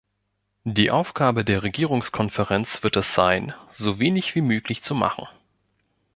Die Aufgabe der Regierungskonferenz wird es sein, so wenig wie möglich zu machen.